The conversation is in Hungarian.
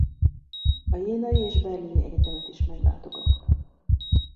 A jenai és berlini egyetemet is meglátogatta.